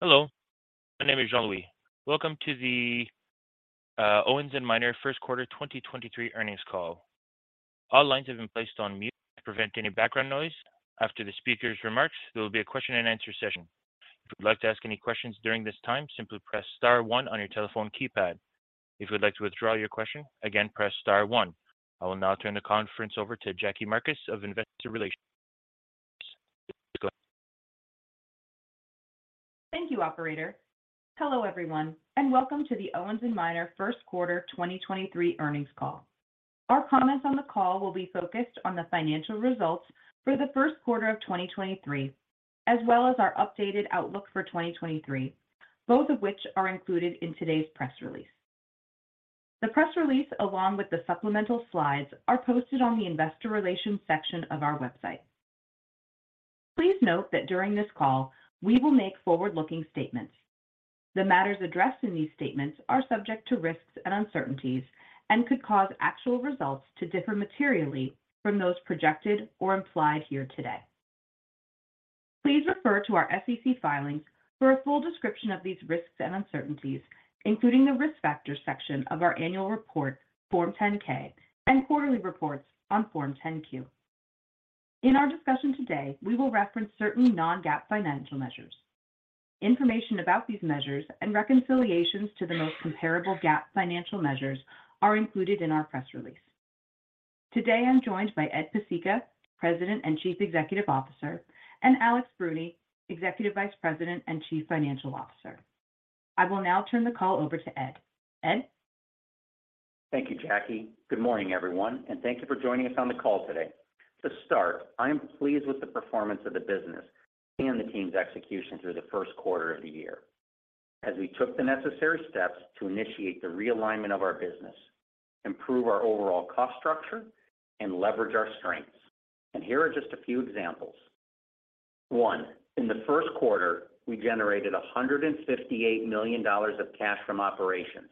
Hello, my name is Jean-Louis. Welcome to the Owens & Minor First Quarter 2023 Earnings Call. All lines have been placed on mute to prevent any background noise. After the speaker's remarks, there will be a question-and-answer session. If you'd like to ask any questions during this time, simply press star one on your telephone keypad. If you'd like to withdraw your question, again, press star one. I will now turn the conference over to Jackie Marcus of Investor Relations. Please go ahead. Thank you, operator. Hello, everyone, welcome to the Owens & Minor First Quarter 2023 Earnings Call. Our comments on the call will be focused on the financial results for the first quarter of 2023, as well as our updated outlook for 2023, both of which are included in today's press release. The press release, along with the supplemental slides are posted on the investor relations section of our website. Please note that during this call, we will make forward-looking statements. The matters addressed in these statements are subject to risks and uncertainties and could cause actual results to differ materially from those projected or implied here today. Please refer to our SEC filings for a full description of these risks and uncertainties, including the Risk Factors section of our Annual Report, Form 10-K and quarterly reports on Form 10-Q. In our discussion today, we will reference certain non-GAAP financial measures. Information about these measures and reconciliations to the most comparable GAAP financial measures are included in our press release. Today, I'm joined by Edward Pesicka, President and Chief Executive Officer, and Alexander Bruni, Executive Vice President and Chief Financial Officer. I will now turn the call over to Ed. Ed? Thank you, Jackie. Good morning, everyone, and thank you for joining us on the call today. To start, I am pleased with the performance of the business and the team's execution through the first quarter of the year as we took the necessary steps to initiate the realignment of our business, improve our overall cost structure, and leverage our strengths. Here are just a few examples. One, in the first quarter, we generated $158 million of cash from operations.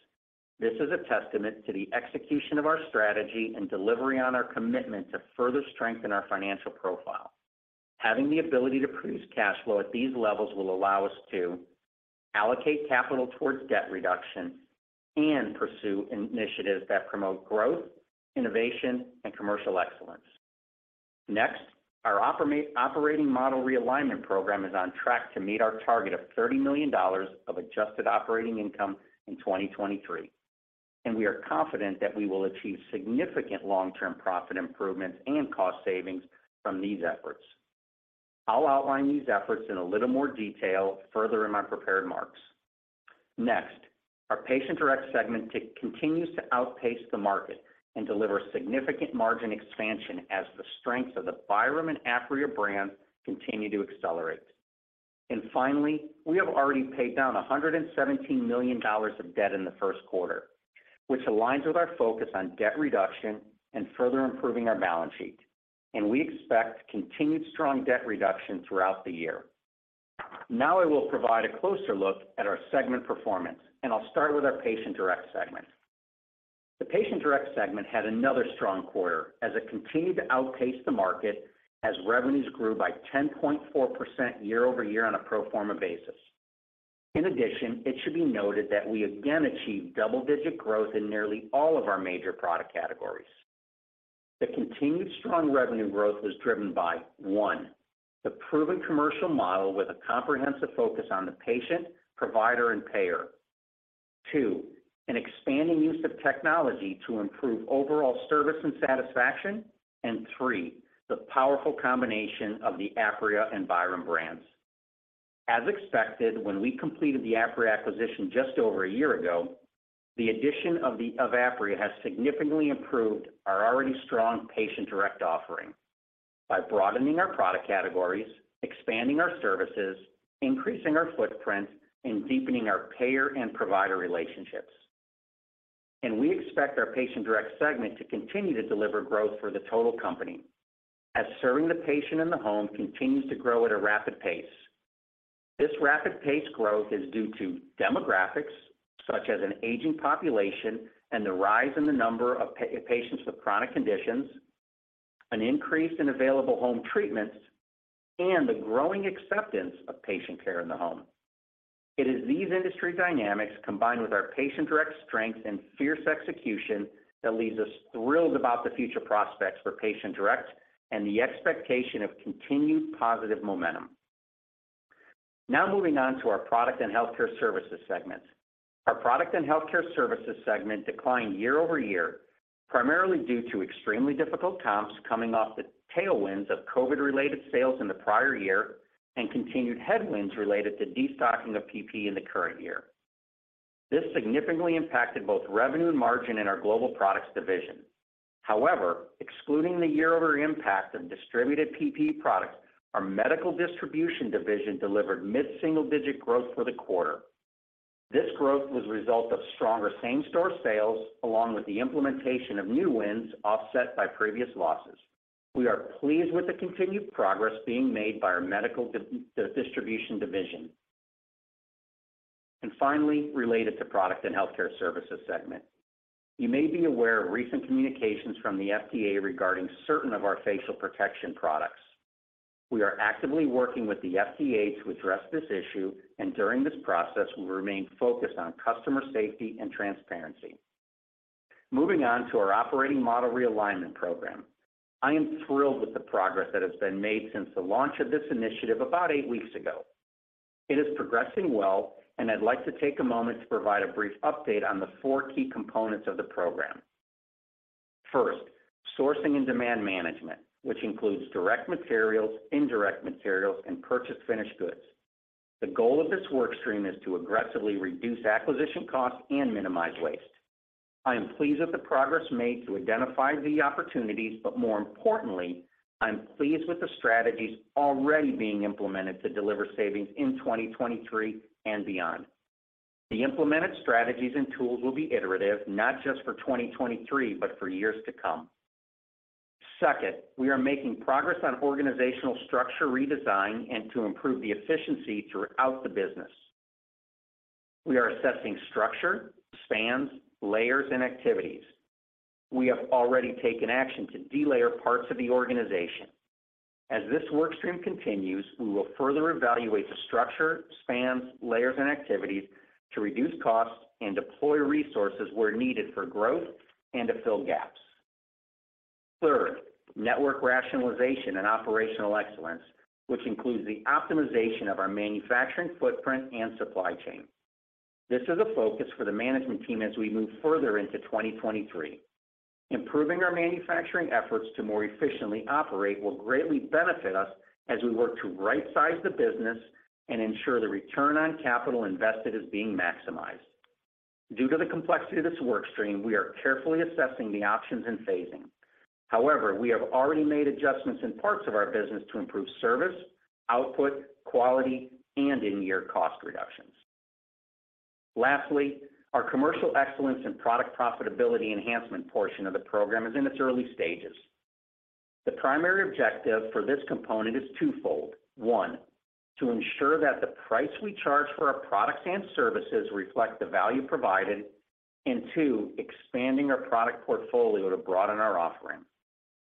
This is a testament to the execution of our strategy and delivery on our commitment to further strengthen our financial profile. Having the ability to produce cash flow at these levels will allow us to allocate capital towards debt reduction and pursue initiatives that promote growth, innovation, and commercial excellence. Our Operating Model Realignment Program is on track to meet our target of $30 million of adjusted operating income in 2023. We are confident that we will achieve significant long-term profit improvements and cost savings from these efforts. I'll outline these efforts in a little more detail further in my prepared remarks. Our Patient Direct segment continues to outpace the market and deliver significant margin expansion as the strength of the Byram and Apria brands continue to accelerate. We have already paid down $117 million of debt in the first quarter, which aligns with our focus on debt reduction and further improving our balance sheet. We expect continued strong debt reduction throughout the year. I will provide a closer look at our segment performance. I'll start with our Patient Direct segment. The Patient Direct segment had another strong quarter as it continued to outpace the market as revenues grew by 10.4% year-over-year on a pro forma basis. It should be noted that we again achieved double-digit growth in nearly all of our major product categories. The continued strong revenue growth was driven by, one, the proven commercial model with a comprehensive focus on the patient, provider, and payer. Two, an expanding use of technology to improve overall service and satisfaction. Three, the powerful combination of the Apria and Byram brands. As expected, when we completed the Apria acquisition just over a year ago, the addition of Apria has significantly improved our already strong Patient Direct offering by broadening our product categories, expanding our services, increasing our footprint, and deepening our payer and provider relationships. We expect our Patient Direct segment to continue to deliver growth for the total company as serving the patient in the home continues to grow at a rapid pace. This rapid pace growth is due to demographics such as an aging population and the rise in the number of patients with chronic conditions, an increase in available home treatments, and the growing acceptance of patient care in the home. It is these industry dynamics, combined with our Patient Direct strength and fierce execution, that leaves us thrilled about the future prospects for Patient Direct and the expectation of continued positive momentum. Moving on to our Products & Healthcare Services segment. Our Products & Healthcare Services segment declined year-over-year, primarily due to extremely difficult comps coming off the tailwinds of COVID-related sales in the prior year and continued headwinds related to destocking of PPE in the current year. This significantly impacted both revenue and margin in our Global Products division. However, excluding the year-over impact of distributed PPE products, our Medical Distribution division delivered mid-single-digit growth for the quarter. This growth was a result of stronger same-store sales along with the implementation of new wins offset by previous losses. We are pleased with the continued progress being made by our Medical Distribution division. Finally, related to Products & Healthcare Services segment. You may be aware of recent communications from the FDA regarding certain of our facial protection products. We are actively working with the FDA to address this issue. During this process, we remain focused on customer safety and transparency. Moving on to our Operating Model Realignment program. I am thrilled with the progress that has been made since the launch of this initiative about eight weeks ago. It is progressing well, and I'd like to take a moment to provide a brief update on the four key components of the program. First, sourcing and demand management, which includes direct materials, indirect materials, and purchased finished goods. The goal of this work stream is to aggressively reduce acquisition costs and minimize waste. I am pleased with the progress made to identify the opportunities. More importantly, I'm pleased with the strategies already being implemented to deliver savings in 2023 and beyond. The implemented strategies and tools will be iterative, not just for 2023, but for years to come. Second, we are making progress on organizational structure redesign and to improve the efficiency throughout the business. We are assessing structure, spans, layers, and activities. We have already taken action to delayer parts of the organization. As this work stream continues, we will further evaluate the structure, spans, layers, and activities to reduce costs and deploy resources where needed for growth and to fill gaps. Third, network rationalization and operational excellence, which includes the optimization of our manufacturing footprint and supply chain. This is a focus for the management team as we move further into 2023. Improving our manufacturing efforts to more efficiently operate will greatly benefit us as we work to right-size the business and ensure the return on capital invested is being maximized. Due to the complexity of this work stream, we are carefully assessing the options and phasing. We have already made adjustments in parts of our business to improve service, output, quality, and in-year cost reductions. Lastly, our commercial excellence and product profitability enhancement portion of the program is in its early stages. The primary objective for this component is twofold: One, to ensure that the price we charge for our products and services reflect the value provided. Two, expanding our product portfolio to broaden our offering.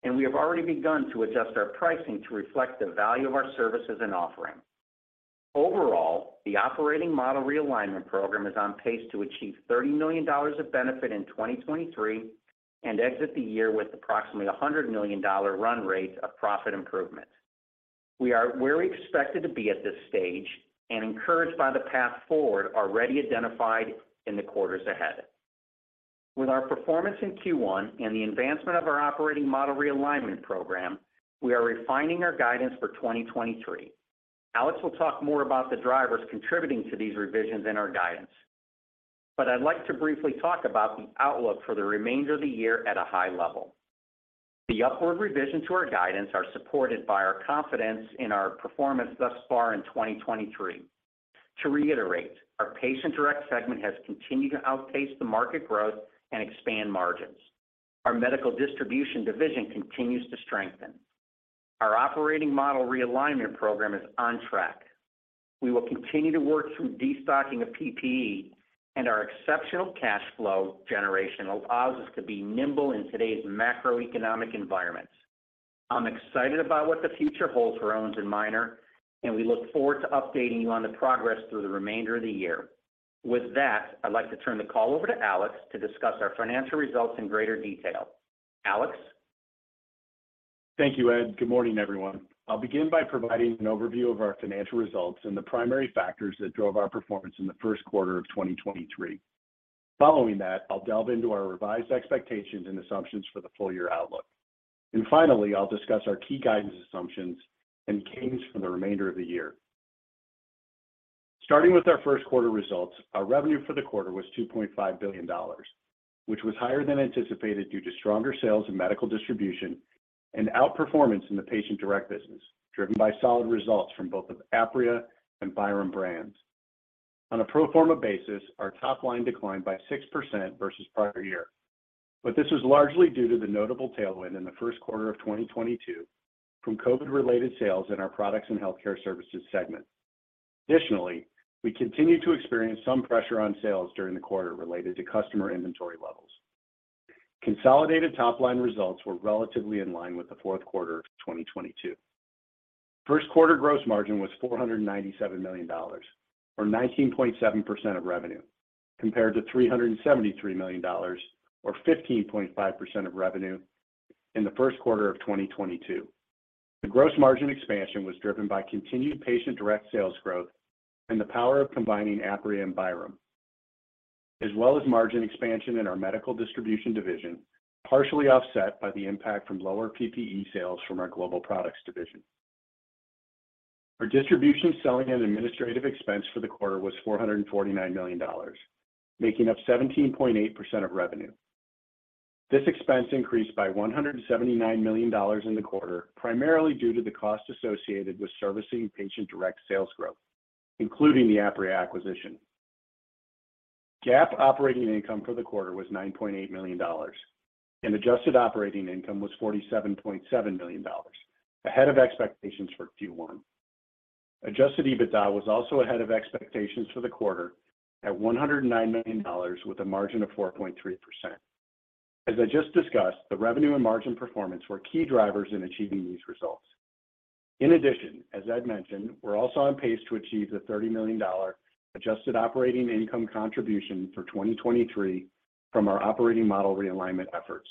We have already begun to adjust our pricing to reflect the value of our services and offering. Overall, the Operating Model Realignment program is on pace to achieve $30 million of benefit in 2023 and exit the year with approximately a $100 million run rate of profit improvement. We are where we expected to be at this stage and encouraged by the path forward already identified in the quarters ahead. With our performance in Q1 and the advancement of our Operating Model Realignment Program, we are refining our guidance for 2023. Alex will talk more about the drivers contributing to these revisions in our guidance. I'd like to briefly talk about the outlook for the remainder of the year at a high level. The upward revision to our guidance are supported by our confidence in our performance thus far in 2023. To reiterate, our Patient Direct segment has continued to outpace the market growth and expand margins. Our Medical Distribution division continues to strengthen. Our Operating Model Realignment Program is on track. We will continue to work through destocking of PPE, and our exceptional cash flow generation allows us to be nimble in today's macroeconomic environments. I'm excited about what the future holds for Owens & Minor, and we look forward to updating you on the progress through the remainder of the year. With that, I'd like to turn the call over to Alex to discuss our financial results in greater detail. Alex? Thank you, Ed. Good morning, everyone. I'll begin by providing an overview of our financial results and the primary factors that drove our performance in the first quarter of 2023. Following that, I'll delve into our revised expectations and assumptions for the full year outlook. Finally, I'll discuss our key guidance assumptions and changes for the remainder of the year. Starting with our first quarter results, our revenue for the quarter was $2.5 billion, which was higher than anticipated due to stronger sales in Medical Distribution and outperformance in the Patient Direct business, driven by solid results from both the Apria and Byram brands. On a pro forma basis, our top line declined by 6% versus prior year. This was largely due to the notable tailwind in the first quarter of 2022 from COVID-related sales in our Products and Healthcare Services segment. Additionally, we continued to experience some pressure on sales during the quarter related to customer inventory levels. Consolidated top-line results were relatively in line with the fourth quarter of 2022. First quarter gross margin was $497 million, or 19.7% of revenue, compared to $373 million, or 15.5% of revenue, in the first quarter of 2022. The gross margin expansion was driven by continued Patient Direct sales growth and the power of combining Apria and Byram, as well as margin expansion in our Medical Distribution division, partially offset by the impact from lower PPE sales from our Global Products division. Our distribution selling and administrative expense for the quarter was $449 million, making up 17.8% of revenue. This expense increased by $179 million in the quarter, primarily due to the cost associated with servicing Patient Direct sales growth, including the Apria acquisition. GAAP operating income for the quarter was $9.8 million, and adjusted operating income was $47.7 million, ahead of expectations for Q1. adjusted EBITDA was also ahead of expectations for the quarter at $109 million with a margin of 4.3%. As I just discussed, the revenue and margin performance were key drivers in achieving these results. In addition, as Ed mentioned, we're also on pace to achieve the $30 million adjusted operating income contribution for 2023 from our operating model realignment efforts.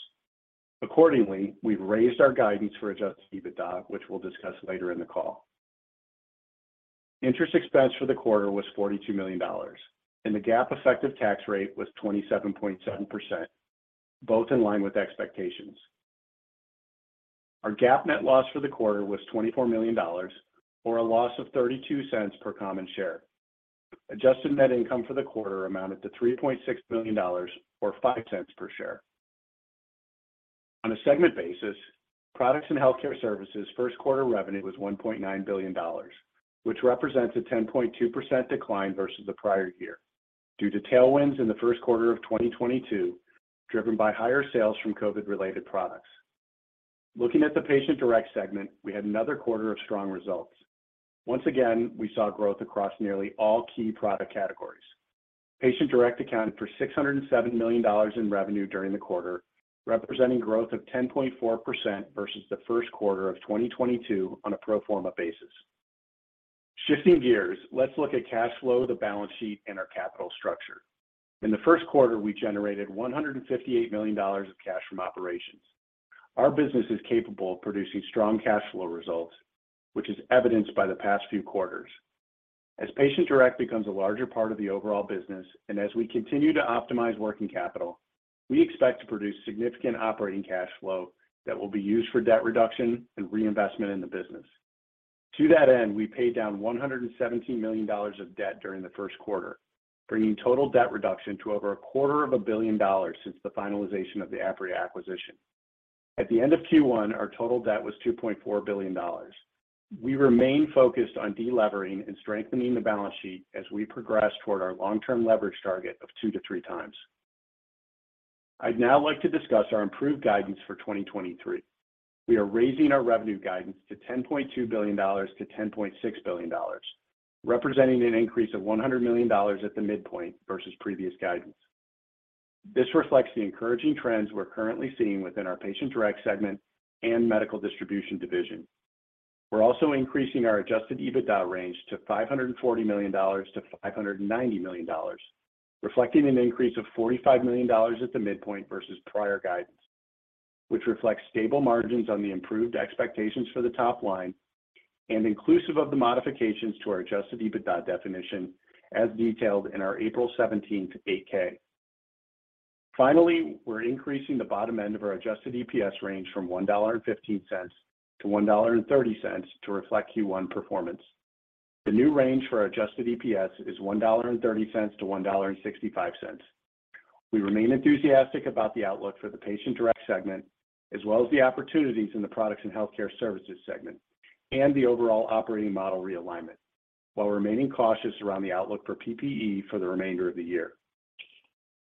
Accordingly, we've raised our guidance for adjusted EBITDA, which we'll discuss later in the call. Interest expense for the quarter was $42 million, and the GAAP effective tax rate was 27.7%, both in line with expectations. Our GAAP net loss for the quarter was $24 million, or a loss of $0.32 per common share. Adjusted net income for the quarter amounted to $3.6 million, or $0.05 per share. On a segment basis, Products & Healthcare Services first quarter revenue was $1.9 billion, which represents a 10.2% decline versus the prior year due to tailwinds in the first quarter of 2022, driven by higher sales from COVID-related products. Looking at the Patient Direct segment, we had another quarter of strong results. Once again, we saw growth across nearly all key product categories. Patient Direct accounted for $607 million in revenue during the quarter, representing growth of 10.4% versus the first quarter of 2022 on a pro forma basis. Shifting gears, let's look at cash flow, the balance sheet, and our capital structure. In the first quarter, we generated $158 million of cash from operations. Our business is capable of producing strong cash flow results, which is evidenced by the past few quarters. As Patient Direct becomes a larger part of the overall business, and as we continue to optimize working capital, we expect to produce significant operating cash flow that will be used for debt reduction and reinvestment in the business. To that end, we paid down $117 million of debt during the first quarter, bringing total debt reduction to over $250 million since the finalization of the Apria acquisition. At the end of Q1, our total debt was $2.4 billion. We remain focused on delevering and strengthening the balance sheet as we progress toward our long-term leverage target of 2-3x. I'd now like to discuss our improved guidance for 2023. We are raising our revenue guidance to $10.2 billion-$10.6 billion, representing an increase of $100 million at the midpoint versus previous guidance. This reflects the encouraging trends we're currently seeing within our Patient Direct segment and Medical Distribution division. We're also increasing our adjusted EBITDA range to $540 million-$590 million, reflecting an increase of $45 million at the midpoint versus prior guidance, which reflects stable margins on the improved expectations for the top line and inclusive of the modifications to our adjusted EBITDA definition as detailed in our April 17th 8-K. Finally, we're increasing the bottom end of our adjusted EPS range from $1.15-$1.30 to reflect Q1 performance. The new range for our adjusted EPS is $1.30-$1.65. We remain enthusiastic about the outlook for the Patient Direct segment, as well as the opportunities in the Products & Healthcare Services segment and the overall Operating Model Realignment, while remaining cautious around the outlook for PPE for the remainder of the year.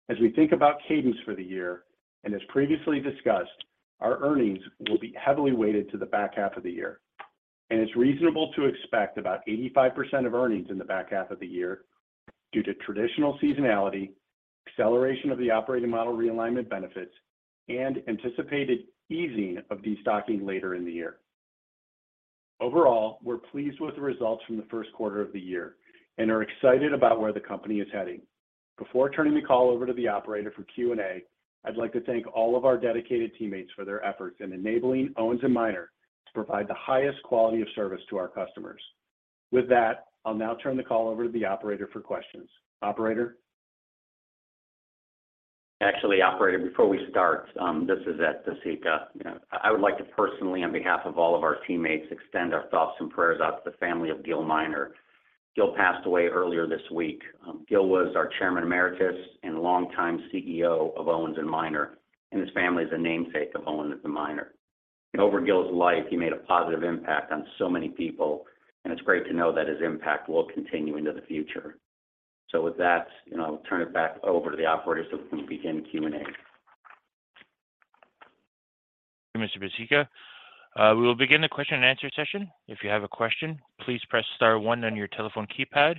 As we think about cadence for the year, and as previously discussed, our earnings will be heavily weighted to the back half of the year. It's reasonable to expect about 85% of earnings in the back half of the year due to traditional seasonality, acceleration of the Operating Model Realignment benefits, and anticipated easing of destocking later in the year. Overall, we're pleased with the results from the first quarter of the year and are excited about where the company is heading. Before turning the call over to the operator for Q&A, I'd like to thank all of our dedicated teammates for their efforts in enabling Owens & Minor to provide the highest quality of service to our customers. With that, I'll now turn the call over to the operator for questions. Operator? Actually, operator, before we start, this is Edward Pesicka. I would like to personally, on behalf of all of our teammates, extend our thoughts and prayers out to the family of Gil Minor. Gil passed away earlier this week. Gil was our Chairman Emeritus and longtime CEO of Owens & Minor, and his family is a namesake of Owens & Minor. Over Gil's life, he made a positive impact on so many people, and it's great to know that his impact will continue into the future. With that, I'll turn it back over to the operator so we can begin Q&A. Mr. Pesicka, we will begin the question and answer session. If you have a question, please press star one on your telephone keypad.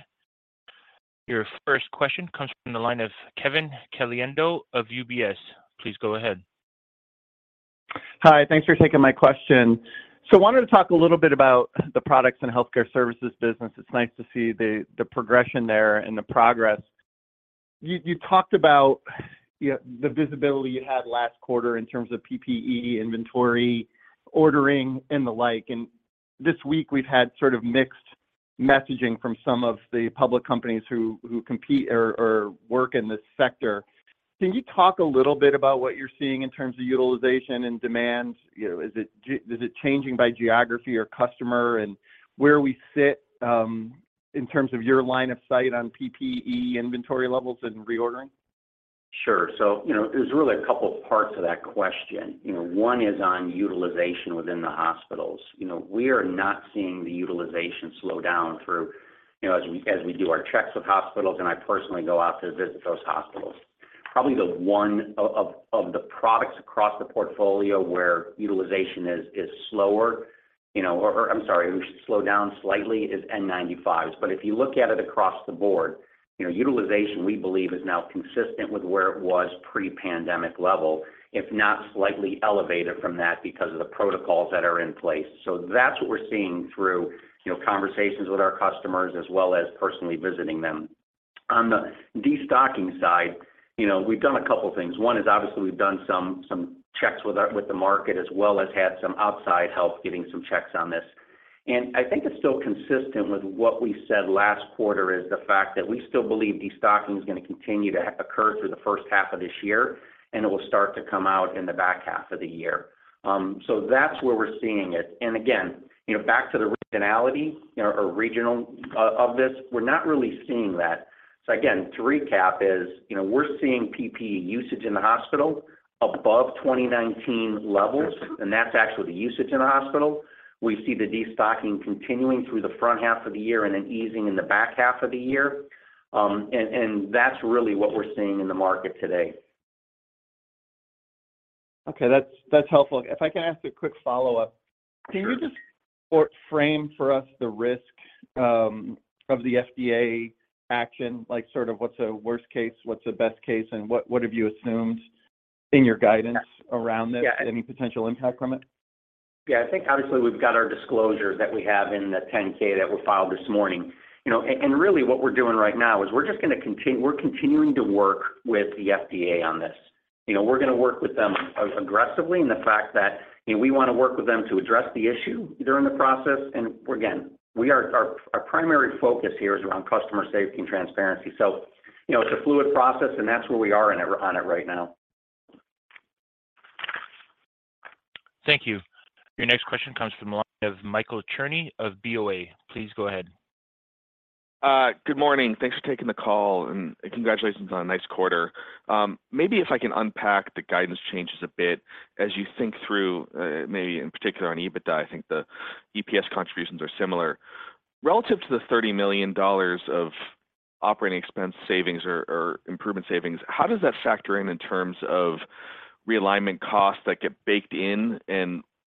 Your first question comes from the line of Kevin Caliendo of UBS. Please go ahead. Hi. Thanks for taking my question. I wanted to talk a little bit about the Products & Healthcare Services business. It's nice to see the progression there and the progress. You talked about the visibility you had last quarter in terms of PPE inventory ordering and the like. This week we've had sort of mixed messaging from some of the public companies who compete or work in this sector. Can you talk a little bit about what you're seeing in terms of utilization and demand? You know, is it changing by geography or customer? Where we sit in terms of your line of sight on PPE inventory levels and reordering? Sure. You know, there's really a couple parts of that question. One is on utilization within the hospitals. We are not seeing the utilization slow down through, you know, as we do our checks with hospitals, and I personally go out to visit those hospitals. Probably the one of the products across the portfolio where utilization is slower, you know, or I'm sorry, which has slowed down slightly is N95s. If you look at it across the board, you know, utilization, we believe, is now consistent with where it was pre-pandemic level, if not slightly elevated from that because of the protocols that are in place. That's what we're seeing through, you know, conversations with our customers as well as personally visiting them. On the destocking side, you know, we've done a couple things. One is obviously we've done some checks with the market as well as had some outside help getting some checks on this. I think it's still consistent with what we said last quarter is the fact that we still believe destocking is gonna continue to occur through the first half of this year, and it will start to come out in the back half of the year. That's where we're seeing it. Again, you know, back to the regionality or regional of this, we're not really seeing that. Again, to recap is, you know, we're seeing PPE usage in the hospital above 2019 levels, and that's actually the usage in the hospital. We see the destocking continuing through the front half of the year and then easing in the back half of the year. That's really what we're seeing in the market today. Okay, that's helpful. If I can ask a quick follow-up. Sure. Can you just sort frame for us the risk of the FDA action, like sort of what's a worst case, what's the best case, and what have you assumed in your guidance around this? Yeah. Any potential impact from it? Yeah. I think obviously we've got our disclosure that we have in the 10-K that were filed this morning. You know, really what we're doing right now is we're continuing to work with the FDA on this. You know, we're gonna work with them as aggressively in the fact that, you know, we wanna work with them to address the issue during the process. Again, our primary focus here is around customer safety and transparency. You know, it's a fluid process, and that's where we are on it right now. Thank you. Your next question comes from the line of Michael Cherny of BofA. Please go ahead. Good morning. Thanks for taking the call, and congratulations on a nice quarter. Maybe if I can unpack the guidance changes a bit as you think through, maybe in particular on EBITDA, I think the EPS contributions are similar. Relative to the $30 million of operating expense savings or improvement savings, how does that factor in in terms of realignment costs that get baked in?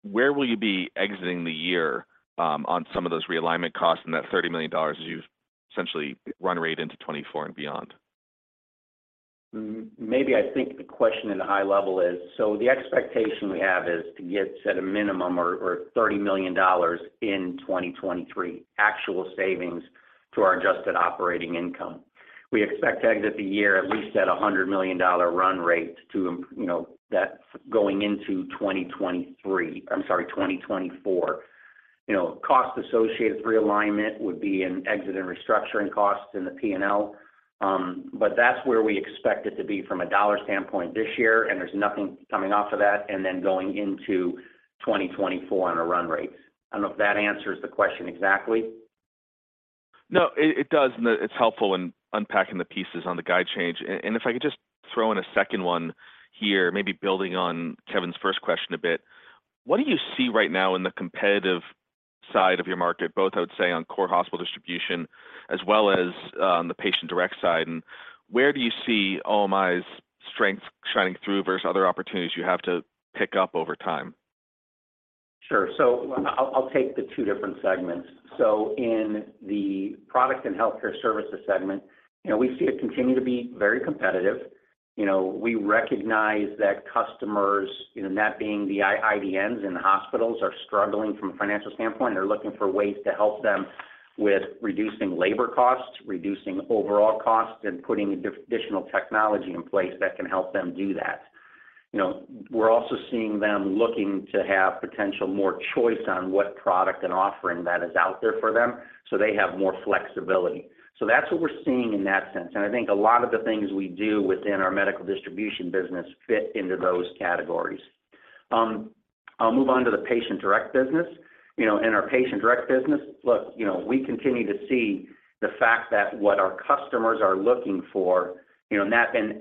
Where will you be exiting the year on some of those realignment costs and that $30 million as you essentially run rate into 2024 and beyond? Maybe I think the question at a high level is, the expectation we have is to get to set a minimum or $30 million in 2023 actual savings to our adjusted operating income. We expect to exit the year at least at a $100 million run rate to you know, that going into 2023. I'm sorry, 2024. Costs associated with realignment would be in exit and restructuring costs in the P&L. That's where we expect it to be from a dollar standpoint this year, there's nothing coming off of that. Then going into 2024 on a run rate. I don't know if that answers the question exactly. No. It does, and it's helpful in unpacking the pieces on the guide change. If I could just throw in a second one here, maybe building on Kevin's first question a bit. What do you see right now in the competitive side of your market, both I would say on core hospital distribution as well as, the Patient Direct side? Where do you see OMI's strength shining through versus other opportunities you have to pick up over time? Sure. I'll take the two different segments. In the Products & Healthcare Services segment, you know, we see it continue to be very competitive. You know, we recognize that customers, you know, and that being the IDNs and the hospitals are struggling from a financial standpoint. They're looking for ways to help them with reducing labor costs, reducing overall costs, and putting additional technology in place that can help them do that. You know, we're also seeing them looking to have potential more choice on what product and offering that is out there for them, so they have more flexibility. That's what we're seeing in that sense. I think a lot of the things we do within our Medical Distribution business fit into those categories. I'll move on to the Patient Direct business. You know, in our Patient Direct business, look, you know, we continue to see the fact that what our customers are looking for, you know, in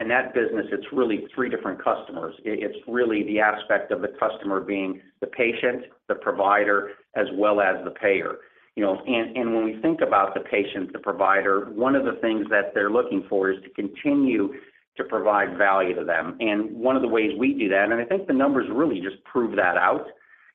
that business, it's really three different customers. It's really the aspect of the customer being the patient, the provider, as well as the payer, you know. When we think about the patient, the provider, one of the things that they're looking for is to continue to provide value to them. One of the ways we do that, and I think the numbers really just prove that out,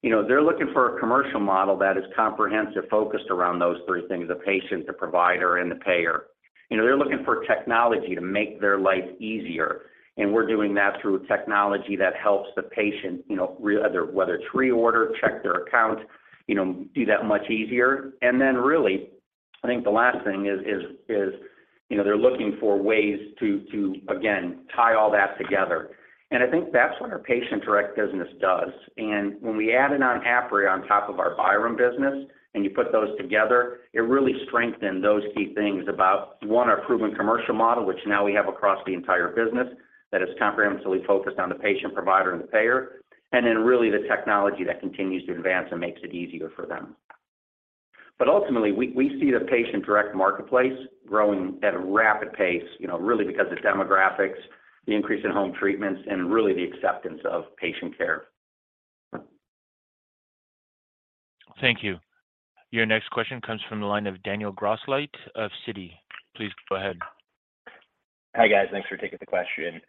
you know, they're looking for a commercial model that is comprehensive, focused around those three things, the patient, the provider, and the payer. You know, they're looking for technology to make their life easier. We're doing that through technology that helps the patient, you know, whether it's reorder, check their account, you know, do that much easier. Then really, I think the last thing is, you know, they're looking for ways to, again, tie all that together. I think that's what our Patient Direct business does. When we added on Apria on top of our Byram business, and you put those together, it really strengthened those key things about, one, our proven commercial model, which now we have across the entire business, that is comprehensively focused on the patient, provider, and the payer, and then really the technology that continues to advance and makes it easier for them. Ultimately, we see the Patient Direct marketplace growing at a rapid pace, you know, really because of demographics, the increase in home treatments, and really the acceptance of patient care. Thank you. Your next question comes from the line of Daniel Grosslight of Citi. Please go ahead. Hi, guys. Thanks for taking the question.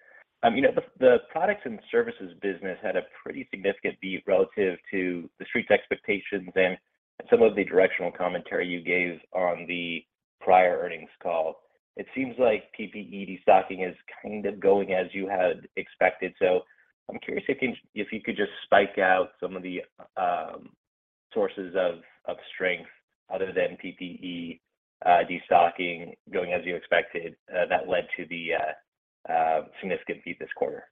you know, the Products & Healthcare Services business had a pretty significant beat relative to the street's expectations and some of the directional commentary you gave on the prior earnings call. It seems like PPE destocking is kind of going as you had expected. I'm curious if you could just spike out some of the sources of strength other than PPE destocking going as you expected, that led to the significant beat this quarter.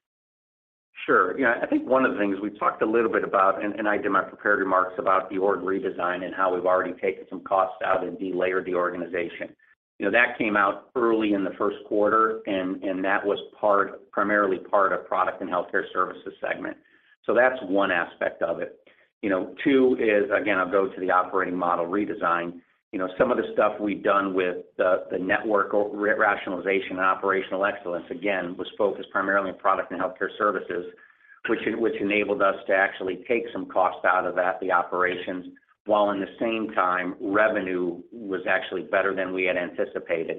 Sure. Yeah, I think one of the things we talked a little bit about, and I did my prepared remarks about the org redesign and how we've already taken some costs out and delayered the organization. You know, that came out early in the first quarter and that was primarily part of Products & Healthcare Services segment. That's one aspect of it. You know, two is, again, I'll go to the operating model redesign. You know, some of the stuff we've done with the network rationalization and operational excellence, again, was focused primarily on Products & Healthcare Services, which enabled us to actually take some cost out of that, the operations, while in the same time, revenue was actually better than we had anticipated.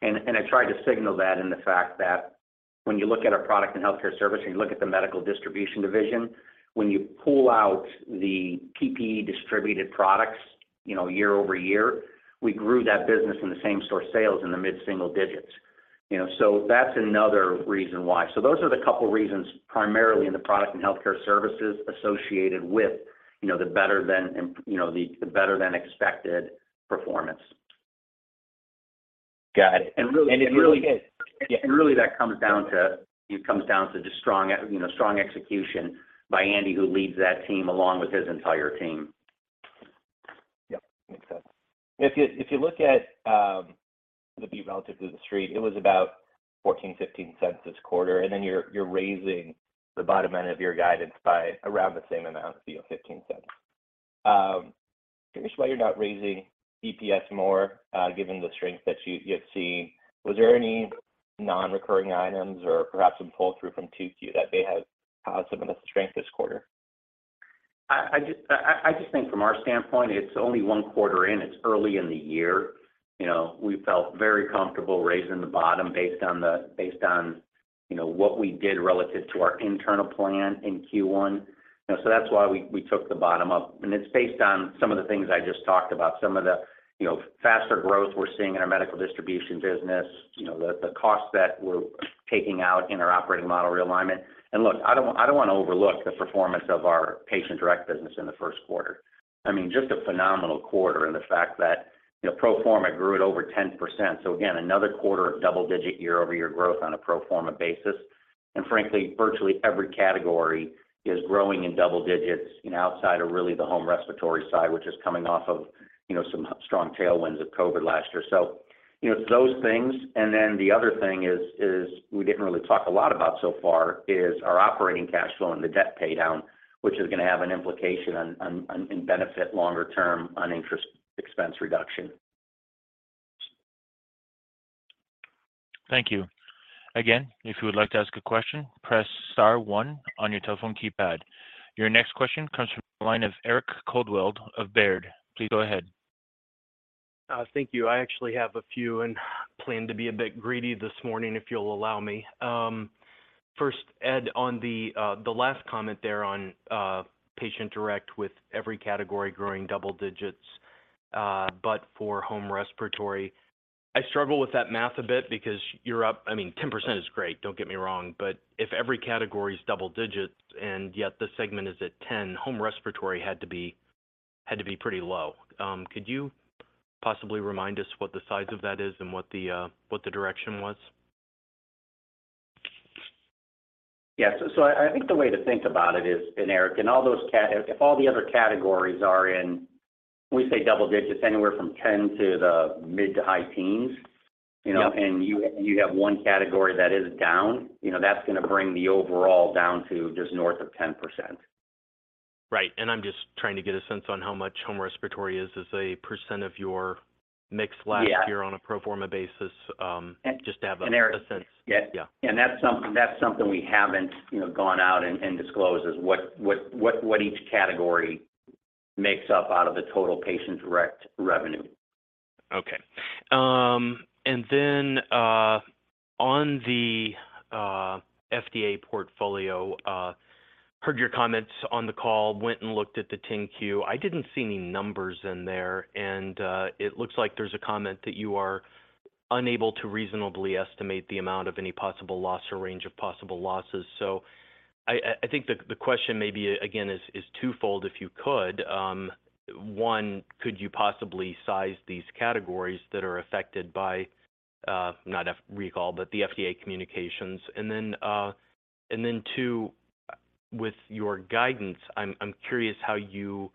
I tried to signal that in the fact that when you look at our Products & Healthcare Services and you look at the Medical Distribution, when you pull out the PPE distributed products, you know, year-over-year, we grew that business in the same-store sales in the mid-single digits. You know, that's another reason why. Those are the couple reasons, primarily in the Products & Healthcare Services associated with, you know, the better than expected performance. Got it. it really is. Really, that comes down to, it comes down to just strong you know, strong execution by Andy, who leads that team, along with his entire team. Yep. Makes sense. If you look at the beat relative to The Street, it was about $0.14, $0.15 this quarter, and then you're raising the bottom end of your guidance by around the same amount, you know, $0.15. Curious why you're not raising EPS more given the strength that you have seen. Was there any non-recurring items or perhaps some pull-through from 2Q that may have caused some of the strength this quarter? I just think from our standpoint, it's only one quarter in, it's early in the year. You know, we felt very comfortable raising the bottom based on, you know, what we did relative to our internal plan in Q1. You know, that's why we took the bottom up. It's based on some of the things I just talked about, some of the, you know, faster growth we're seeing in our Medical Distribution business, you know, the costs that we're taking out in our Operating Model Realignment. Look, I don't want to overlook the performance of our Patient Direct business in the first quarter. I mean, just a phenomenal quarter and the fact that, you know, pro forma grew at over 10%. Again, another quarter of double-digit year-over-year growth on a pro forma basis. Frankly, virtually every category is growing in double digits, you know, outside of really the home respiratory side, which is coming off of, you know, some strong tailwinds of COVID last year. You know, it's those things. The other thing is we didn't really talk a lot about so far is our operating cash flow and the debt pay down, which is going to have an implication on and benefit longer term on interest expense reduction. Thank you. If you would like to ask a question, press star one on your telephone keypad. Your next question comes from the line of Eric Coldwell of Baird. Please go ahead. Thank you. I actually have a few and plan to be a bit greedy this morning, if you'll allow me. First, Ed, on the last comment there on Patient Direct with every category growing double digits, but for Home Respiratory. I struggle with that math a bit because you're up. I mean, 10% is great, don't get me wrong. If every category is double digits and yet this segment is at 10%, Home Respiratory had to be pretty low. Could you possibly remind us what the size of that is and what the direction was? Yeah. I think the way to think about it is, and Eric, in all those if all the other categories are in, we say double digits, anywhere from 10 to the mid to high teens, you know. Yep. You have one category that is down, you know, that's gonna bring the overall down to just north of 10%. Right. I'm just trying to get a sense on how much home respiratory is as a percent of your mix last year. Yeah. On a pro forma basis, just to have a sense. Eric. Yeah. That's something we haven't, you know, gone out and disclosed is what each category makes up out of the total Patient Direct revenue. Okay. On the FDA portfolio, heard your comments on the call, went and looked at the 10-Q. I didn't see any numbers in there, it looks like there's a comment that you are unable to reasonably estimate the amount of any possible loss or range of possible losses. I think the question may be, again, is twofold, if you could. One, could you possibly size these categories that are affected by, not recall, but the FDA communications? Then, and then two, with your guidance, I'm curious how you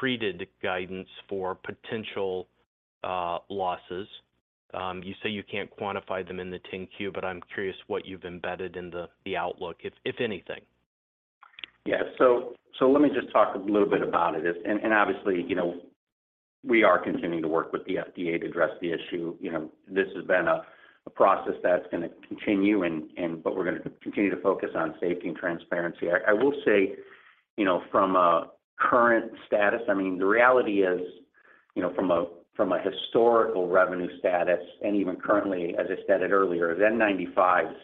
treated guidance for potential losses. You say you can't quantify them in the 10-Q, but I'm curious what you've embedded in the outlook, if anything. Yeah. Let me just talk a little bit about it. Obviously, you know, we are continuing to work with the FDA to address the issue. You know, this has been a process that's gonna continue and but we're gonna continue to focus on safety and transparency. I will say, you know, from a current status, I mean, the reality is, you know, from a historical revenue status and even currently, as I stated earlier, the N95s,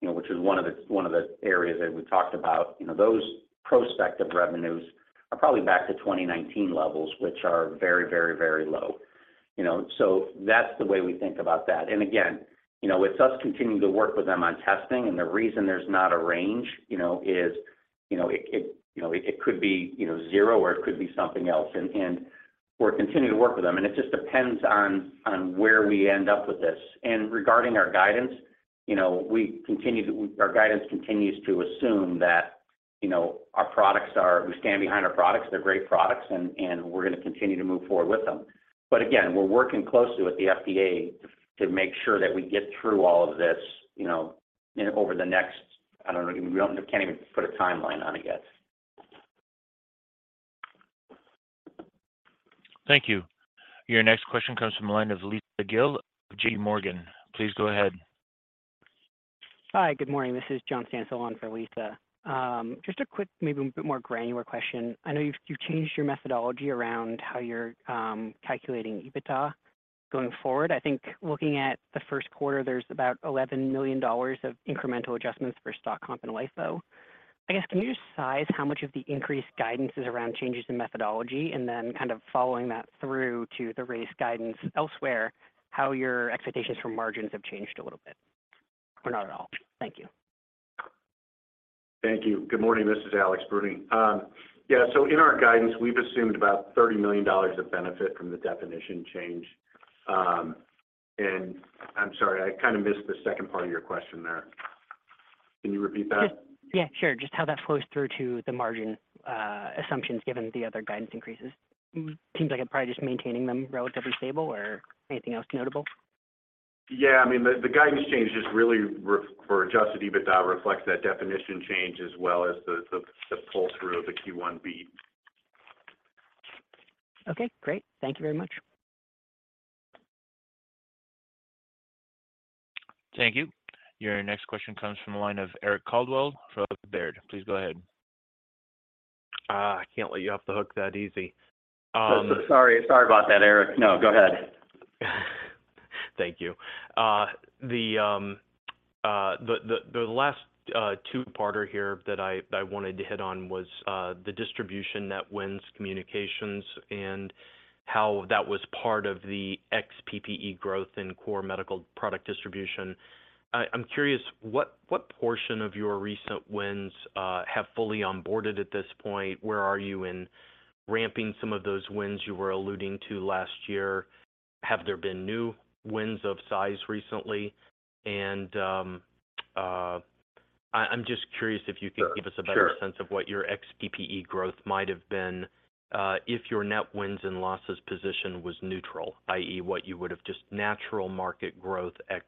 you know, which is one of the areas that we talked about, you know, those prospective revenues are probably back to 2019 levels, which are very low. You know? That's the way we think about that. Again, you know, it's us continuing to work with them on testing, and the reason there's not a range, you know, is, you know, it, you know, it could be, you know, 0, or it could be something else. We're continuing to work with them, and it just depends on where we end up with this. Regarding our guidance, you know, our guidance continues to assume that, you know, we stand behind our products. They're great products, and we're gonna continue to move forward with them. Again, we're working closely with the FDA to make sure that we get through all of this, you know, over the next, I don't know, can't even put a timeline on it yet. Thank you. Your next question comes from the line of Lisa Gill, JPMorgan. Please go ahead. Hi. Good morning. This is John Stansel on for Lisa. Just a quick, maybe a bit more granular question. I know you've changed your methodology around how you're calculating EBITDA going forward. I think looking at the first quarter, there's about $11 million of incremental adjustments for stock comp and LIFO. I guess, can you just size how much of the increased guidance is around changes in methodology? Then kind of following that through to the raised guidance elsewhere, how your expectations for margins have changed a little bit or not at all? Thank you. Thank you. Good morning. This is Alexander Bruni. In our guidance, we've assumed about $30 million of benefit from the definition change. I'm sorry, I kind of missed the second part of your question there. Can you repeat that? Yeah, sure. Just how that flows through to the margin assumptions given the other guidance increases. Seems like you're probably just maintaining them relatively stable or anything else notable. Yeah. I mean, the guidance change is really for adjusted EBITDA reflects that definition change as well as the pull-through of the Q1B. Okay, great. Thank you very much. Thank you. Your next question comes from the line of Eric Coldwell from Baird. Please go ahead. I can't let you off the hook that easy. Sorry about that, Eric. No, go ahead. Thank you. The last two-parter here that I wanted to hit on was the distribution net wins communications and how that was part of the ex PPE growth in core medical product distribution. I'm curious, what portion of your recent wins have fully onboarded at this point? Where are you in ramping some of those wins you were alluding to last year? Have there been new wins of size recently? I'm just curious if you could give us. Sure. A better sense of what your ex PPE growth might have been if your net wins and losses position was neutral, i.e., what you would have just natural market growth ex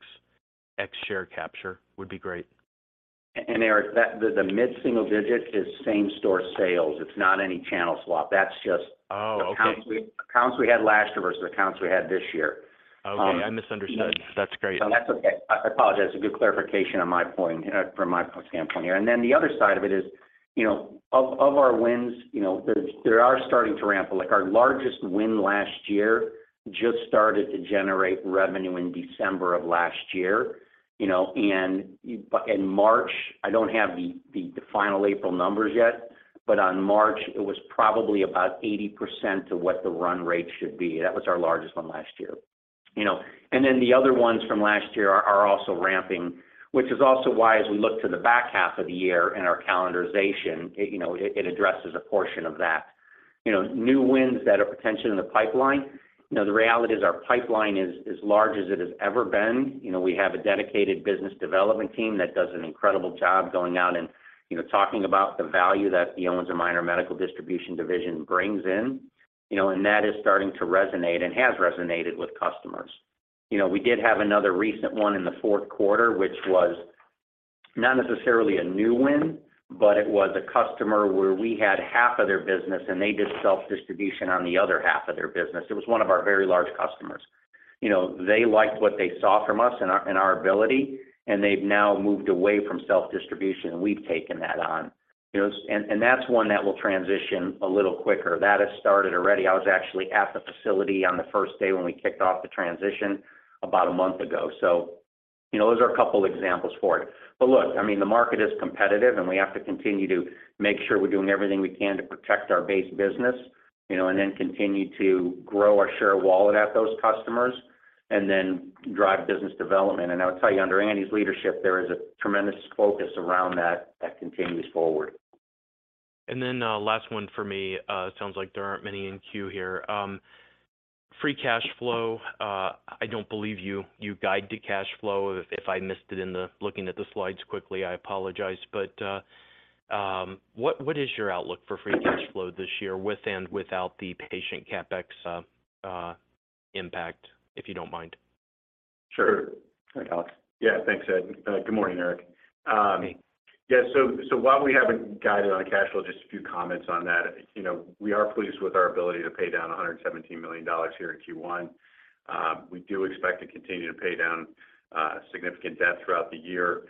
share capture would be great. Eric, the mid-single digit is same-store sales. It's not any channel swap. That's just. Oh, okay. Accounts we had last year versus accounts we had this year. Okay. I misunderstood. Yes. That's great. No, that's okay. I apologize. A good clarification on my point from my standpoint here. The other side of it is, you know, of our wins, you know, they are starting to ramp. Like, our largest win last year just started to generate revenue in December of last year, you know. In March, I don't have the final April numbers yet, but on March, it was probably about 80% of what the run rate should be. That was our largest one last year. The other ones from last year are also ramping, which is also why as we look to the back half of the year and our calendarization, it addresses a portion of that. You know, new wins that are potentially in the pipeline, you know, the reality is our pipeline is as large as it has ever been. You know, we have a dedicated business development team that does an incredible job going out and, you know, talking about the value that the Owens & Minor Medical Distribution division brings in. You know, that is starting to resonate and has resonated with customers. You know, we did have another recent one in the fourth quarter, which was not necessarily a new win, but it was a customer where we had half of their business and they did self-distribution on the other half of their business. It was one of our very large customers. You know, they liked what they saw from us and our ability, and they've now moved away from self-distribution, and we've taken that on. You know, that's one that will transition a little quicker. That has started already. I was actually at the facility on the first day when we kicked off the transition about a month ago. You know, those are a couple examples for it. Look, I mean, the market is competitive, and we have to continue to make sure we're doing everything we can to protect our base business, you know, and then continue to grow our share of wallet at those customers and then drive business development. I would tell you, under Andy's leadership, there is a tremendous focus around that that continues forward. Last one for me, it sounds like there aren't many in queue here. Free cash flow, I don't believe you guide to cash flow. If I missed it in the looking at the slides quickly, I apologize. What is your outlook for free cash flow this year with and without the patient CapEx impact, if you don't mind? Sure. All right, Alex. Thanks, Ed. Good morning, Eric. While we haven't guided on the cash flow, just a few comments on that. You know, we are pleased with our ability to pay down $117 million here in Q1. We do expect to continue to pay down significant debt throughout the year.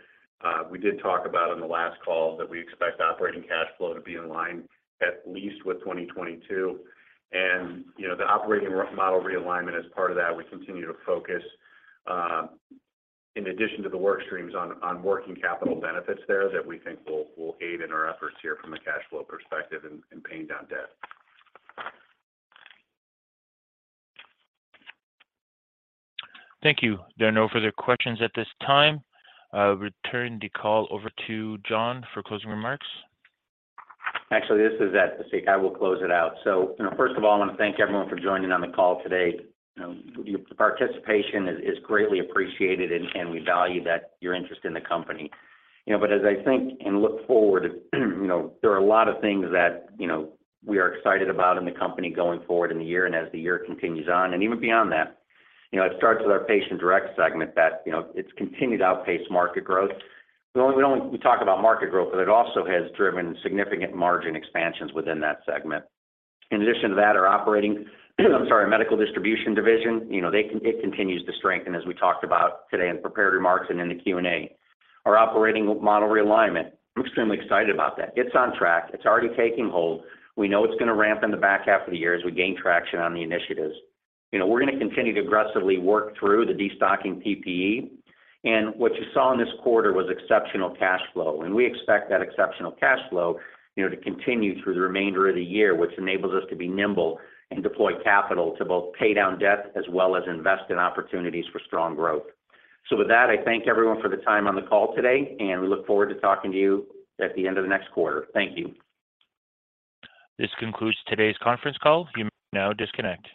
We did talk about on the last call that we expect operating cash flow to be in line at least with 2022. You know, the Operating Model Realignment as part of that, we continue to focus in addition to the work streams on working capital benefits there that we think will aid in our efforts here from a cash flow perspective and paying down debt. Thank you. There are no further questions at this time. I'll return the call over to John for closing remarks. Actually, this is Ed. I will close it out. First of all, I wanna thank everyone for joining on the call today. You know, your participation is greatly appreciated and we value that, your interest in the company. As I think and look forward, you know, there are a lot of things that, you know, we are excited about in the company going forward in the year and as the year continues on and even beyond that. It starts with our Patient Direct segment that, you know, it's continued to outpace market growth. We only talk about market growth, but it also has driven significant margin expansions within that segment. In addition to that, our operating, I'm sorry, Medical Distribution division, you know, it continues to strengthen as we talked about today in prepared remarks and in the Q&A. Our Operating Model Realignment, I'm extremely excited about that. It's on track. It's already taking hold. We know it's gonna ramp in the back half of the year as we gain traction on the initiatives. You know, we're gonna continue to aggressively work through the destocking PPE. What you saw in this quarter was exceptional cash flow, and we expect that exceptional cash flow, you know, to continue through the remainder of the year, which enables us to be nimble and deploy capital to both pay down debt as well as invest in opportunities for strong growth. With that, I thank everyone for the time on the call today, and we look forward to talking to you at the end of the next quarter. Thank you. This concludes today's conference call. You may now disconnect.